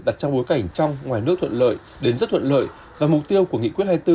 đặt trong bối cảnh trong ngoài nước thuận lợi đến rất thuận lợi và mục tiêu của nghị quyết hai mươi bốn